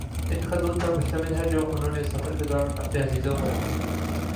ان خطوط پر مشتمل ہیں جو انھوں نے سفر کے دوران اپنے عزیزوں کو لکھے